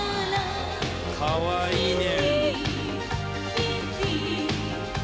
かわいいね。